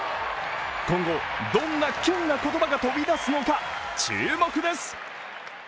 今後、どんなキュンな言葉が飛び出すのか注目です。